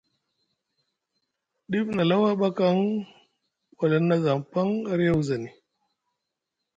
Dif nʼAlaw a ɓakaŋ, wala nʼa zaŋ paŋ a riya wuzani.